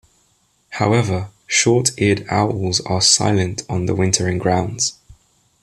However, short-eared owls are silent on the wintering grounds.